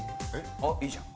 あっいいじゃん。